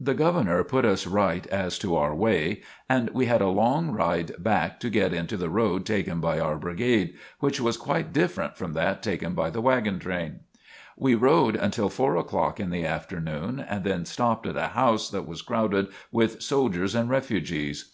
The Governor put us right as to our way and we had a long ride back to get into the road taken by our Brigade, which was quite different from that taken by the wagon train. We rode until after four o'clock in the afternoon, and then stopped at a house that was crowded with soldiers and refugees.